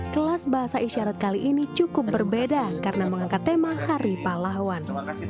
kelas bahasa isyarat kali ini cukup berbeda karena mengangkat tema hari pahlawan